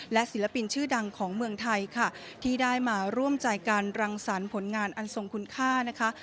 และศิลปินชื่อดังของเมืองไทยค่ะที่ได้มาร่วมใจการรังสรรค์ผลงานอันทรงคุณค่านะคะ